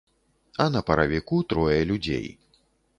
А на паравіку трое людзей.